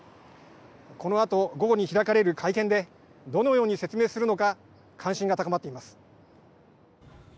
このあと午後に開かれる会見でどのように説明するのか関心が高まっています。